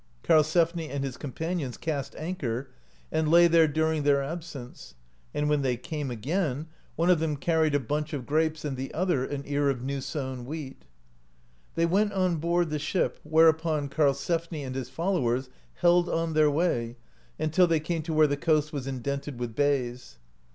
Karlsefni and his companions cast anchor, and lay there during their ab sence; and when they came again, one of them carried a bunch of grapes and the other an ear of new sown wheat. They went on board the ship, whereupon Karl sefni and his followers held on their way, until they came to where the coast was indented with bays.